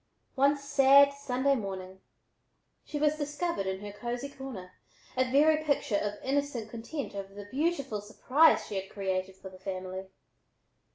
One sad Sunday morning she was discovered in her cosy corner, a very picture of innocent content over the beautiful surprise she had created for the family.